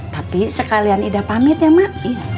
tapi sekalian ida pamit ya mak